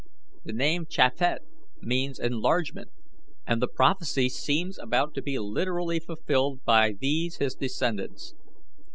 The name Japhet means enlargement, and the prophecy seems about to be literally fulfilled by these his descendants.